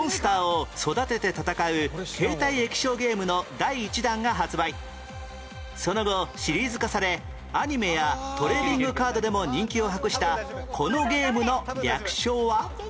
２５年前その後シリーズ化されアニメやトレーディングカードでも人気を博したこのゲームの略称は？